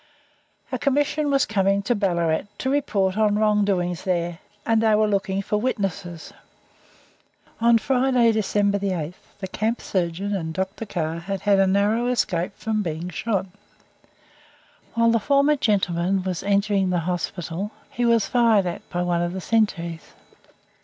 A Commission was coming to Ballarat to report on wrong doings there, and they were looking for witnesses. On Friday, December 8th, the camp surgeon and Dr. Carr had a narrow escape from being shot. While the former gentleman was entering the hospital he was fired at by one of the sentries.